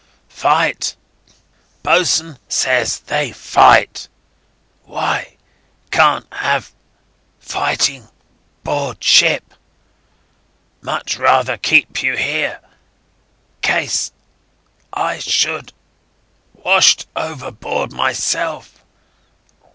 "Fight ... boss'n says they fight. ... Why? Can't have ... fighting ... board ship. ... Much rather keep you here ... case ... I should ... washed overboard myself.